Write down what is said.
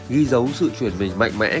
ghi dấu sự truyền hình mạnh mẽ